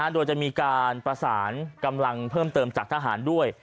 โดยจะมีการประสานกำลังเพิ่มเติมจากทหารด้วย